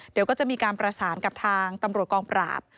เดี๋ยวก็จะมีการประสานกับทางตำรวจกองปราบ